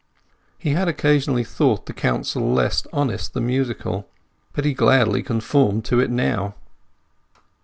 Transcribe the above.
He had occasionally thought the counsel less honest than musical; but he gladly conformed to it now.